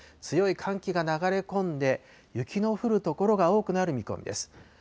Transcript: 強い寒気が流れ込んで、雪の降る所が多くなる見込みです。